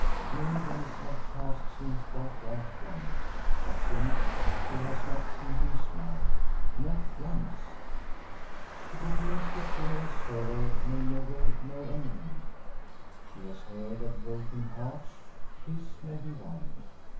Many days have passed since that dark one; but since, she has not seen him smile not once! She begins to fear his sorrow may never know an end. She has heard of broken hearts his may be one.